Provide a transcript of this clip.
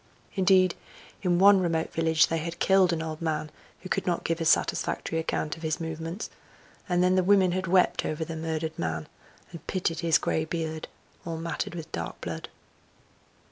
Indeed, in one remote village they had killed an old man who could not give a satisfactory account of his movements, and then the women had wept over the murdered man, and pitied his grey beard all matted with dark blood.